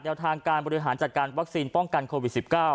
ทางการบริหารจัดการวัคซีนป้องกันโควิด๑๙